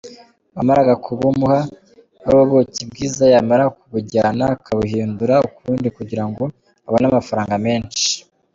Wamaraga kubumuha ari ubuki bwiza, yamara kubujyana akabuhindura ukundi kugira ngo abone amafaranga menshi.